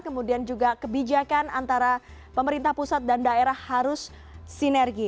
kemudian juga kebijakan antara pemerintah pusat dan daerah harus sinergi